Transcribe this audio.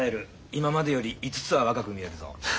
今までより５つは若く見えるぞ。